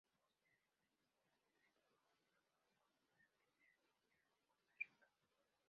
Posteriormente es parte del Limón Fútbol Club de la Primera División de Costa Rica.